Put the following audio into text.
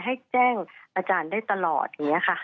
ให้แจ้งอาจารย์ได้ตลอดอย่างนี้ค่ะ